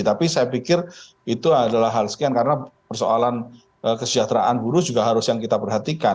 tapi saya pikir itu adalah hal sekian karena persoalan kesejahteraan buruh juga harus yang kita perhatikan